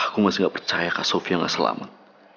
aku masih gak percaya kak sofia gak selamat